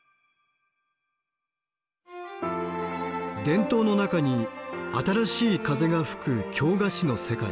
伝統の中に新しい風が吹く京菓子の世界。